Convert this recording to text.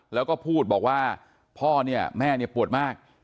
แล้วก็พูดบอกว่าพ่อเนี่ยแม่เนี่ยปวดมาก